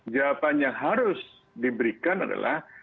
jawaban yang harus diberikan adalah